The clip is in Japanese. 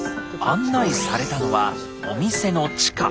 案内されたのはお店の地下。